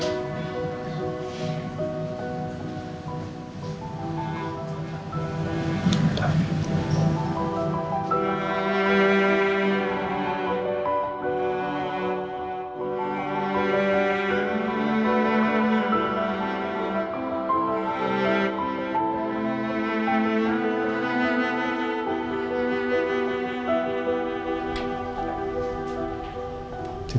kamu yang kuat